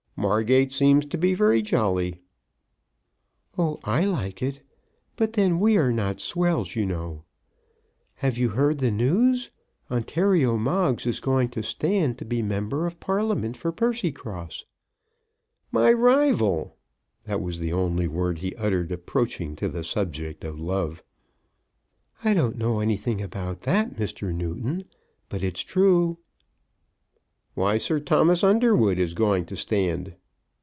"Margate seems to be very jolly." "Oh, I like it. But then we are not swells, you know. Have you heard the news? Ontario Moggs is going to stand to be 'member of Parliament' for Percycross." "My rival!" That was the only word he uttered approaching to the subject of love. "I don't know anything about that, Mr. Newton. But it's true." "Why, Sir Thomas Underwood is going to stand."